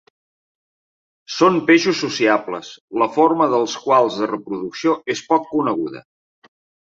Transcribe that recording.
Són peixos sociables, la forma dels quals de reproducció és poc coneguda.